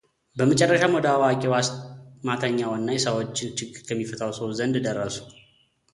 በመጨረሻም ወደ አዋቂው አስማተኛውና የሰዎችን ችግር ከሚፈታ ሰው ዘንድ ደረሱ፡፡